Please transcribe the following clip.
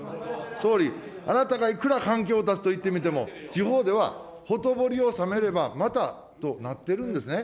総理、あなたがいくら関係を断つと言ってみても、地方ではほとぼりを冷めればまたとなってるんですね。